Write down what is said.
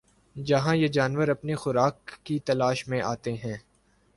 جہاں یہ جانور اپنی خوراک کی تلاش میں آتے ہیں